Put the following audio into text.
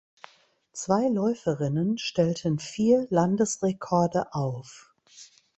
Zwei Läuferinnen stellten vier Landesrekorde auf.